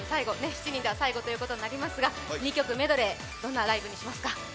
７人では最後ということで２曲メドレー、どんなライブにしますか？